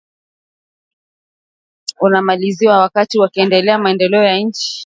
ngumu kuhakikisha kuwa ukosefu wa haki unamalizwa wakati wakiendeleza maendeleo ya nchi